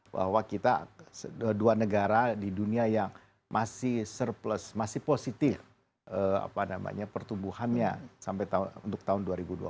bahwa kita dua negara di dunia yang masih surplus masih positif pertumbuhannya sampai untuk tahun dua ribu dua puluh